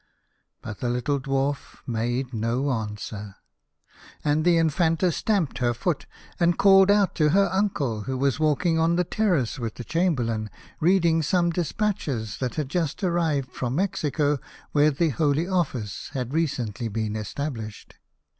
But the little Dwarf made no answer. And the I nfanta stamped her foot, and called out to her uncle, who was walking on the ter race with the Chamberlain, reading some de spatches that had just arrived from Mexico where the Holy Office had recently been es tablished.